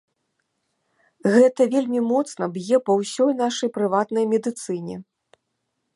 Гэта вельмі моцна б'е па ўсёй нашай прыватнай медыцыне.